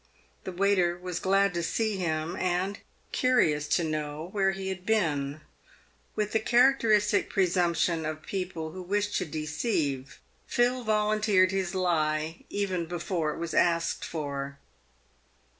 The waiter was glad to see him, and curious to know where he had been. "With the cha racteristic presumption of people who wish to deceive, Phil volun teered his lie even before it was asked for.